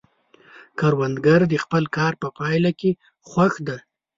کروندګر د خپل کار په پایله کې خوښ دی